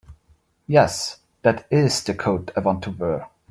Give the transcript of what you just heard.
Yes, that IS the coat I want to wear.